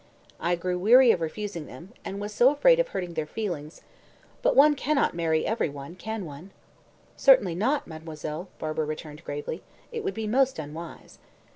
I grew weary of refusing them, and was so afraid of hurting their feelings but one cannot marry every one, can one?" "Certainly not, mademoiselle," Barbara returned gravely. "It would be most unwise."